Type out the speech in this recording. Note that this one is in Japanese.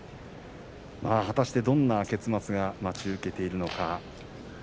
果たして、どんな結末が待ち受けているのか。